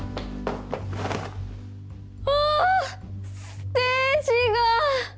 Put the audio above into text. ステージが。